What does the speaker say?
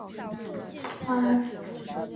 游行期间一些路边的日本汽车遭到砸毁。